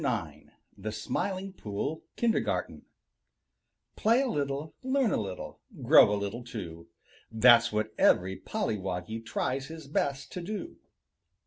IX THE SMILING POOL KINDERGARTEN Play a little, learn a little, grow a little too; That's what every pollywoggy tries his best to do.